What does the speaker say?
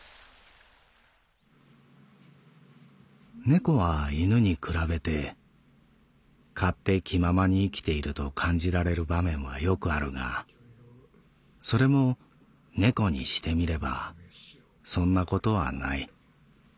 「猫は犬に比べて勝手気ままに生きていると感じられる場面はよくあるがそれも猫にしてみればそんなことはない。